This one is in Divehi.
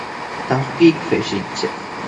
ތަހުޤީޤު ފެށިއްޖެ